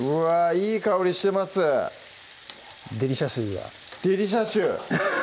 いい香りしてますデリシャ臭は？デリシャ臭！